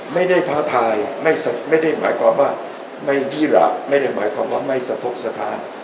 ท้าทายไม่ได้หมายความว่าไม่ยี่หลาบไม่ได้หมายความว่าไม่สะทกสถาน